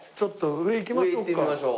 上行ってみましょう。